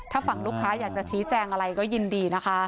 ถ้าฝั่งลูกค้าอยากจะชี้แจงอะไรก็ยินดีนะคะ